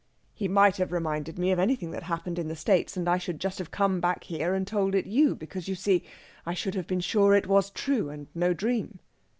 "He might have reminded me of anything that happened in the States, and I should just have come back here and told it you, because, you see, I should have been sure it was true, and no dream.